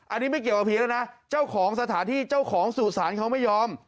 อันนี้ไม่เกี่ยวกับผีแล้วนะเจ้าของสถานที่เจ้าของสู่สารเขาไม่ยอม